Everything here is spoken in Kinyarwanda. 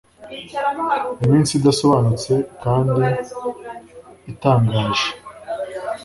Iminsi idasobanutse kandi itangaje